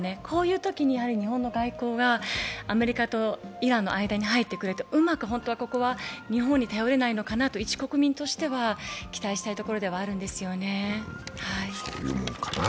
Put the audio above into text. こういうときに、日本の外交がアメリカとイランの間に入ってくれて、うまく、本当はここで日本に頼れないのかなと一国民としては考えるんですよね。